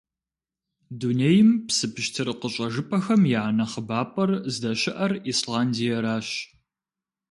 Дунейм псы пщтыр къыщӀэжыпӀэхэм я нэхъыбапӀэр здэщыӀэр Исландиеращ.